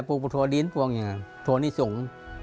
ปลูกประโทษดินตรงอย่างนั้นโทษนิสงศ์